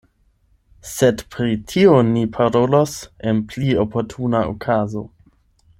Sed pri tio ni parolos en pli oportuna okazo.